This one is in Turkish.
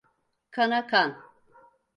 Kana kan.